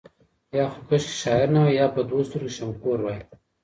یا خو کشکي شاعر نه وای یا په دوو سترګو شمکور وای